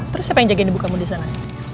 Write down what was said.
terus siapa yang jagain bukamu di sana